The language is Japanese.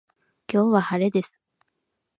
今日は晴れです